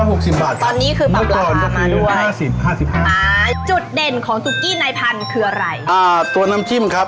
อ่าสูตรก็คือเมื่อก่อนที่บ้านเขาธรรมกินของอย่างเนี้ยครับ